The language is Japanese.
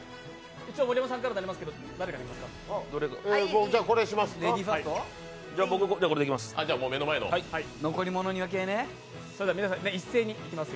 一応盛山さんからになりますけど、誰からにしますか？